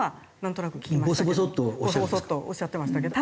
ぼそぼそっとおっしゃってましたけど。